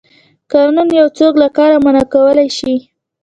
قانون یو څوک له کار منع کولی شي.